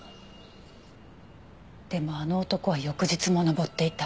でもあの男は翌日も登っていた。